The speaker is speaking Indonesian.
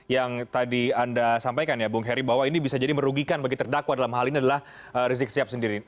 yang tadi anda sampaikan ya bung heri bahwa ini bisa jadi merugikan bagi terdakwa dalam hal ini adalah rizik sihab sendiri